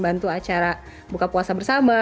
bantu acara buka puasa bersama